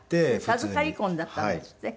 授かり婚だったんですって？